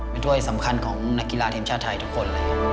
เป็นถ้วยสำคัญของนักกีฬาทีมชาติไทยทุกคนเลยครับ